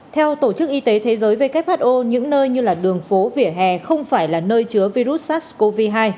theo tổ chức y tế thế giới who những nơi như đường phố vỉa hè không phải là nơi chứa virus sars cov hai